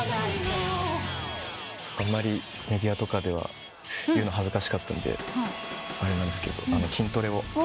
あんまりメディアとかでは言うの恥ずかしかったんであれなんですけど。